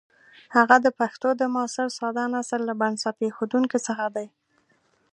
هغه د پښتو د معاصر ساده نثر له بنسټ ایښودونکو څخه دی.